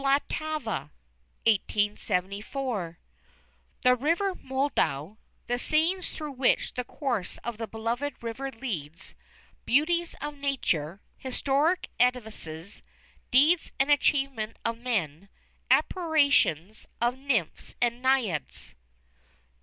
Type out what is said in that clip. "VLTAVA" The river Moldau the scenes through which the course of the beloved river leads beauties of nature, historic edifices, deeds and achievements of men, apparitions of nymphs and naiads.